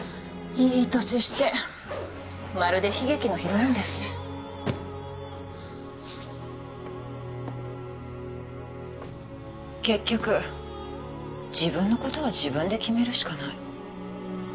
いい年してまるで悲劇のヒロインですね結局自分のことは自分で決めるしかない